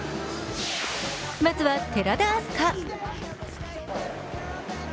まずは寺田明日香。